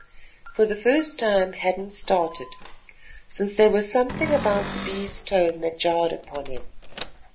For the first time Hadden started, since there was something about the Bee's tone that jarred upon him.